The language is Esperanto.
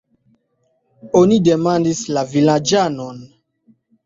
Oni demandis la vilaĝanon.